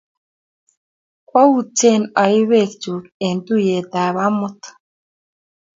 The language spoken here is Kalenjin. Kwoutyen aip peek chuk eng' tuyet ap amut